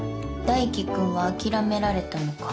大貴君は諦められたのか。